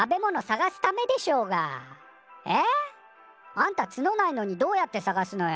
あんたツノないのにどうやって探すのよ？